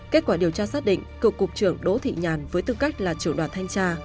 kết quả điều tra xác định cựu cục trưởng đỗ thị nhàn với tư cách là trưởng đoàn thanh tra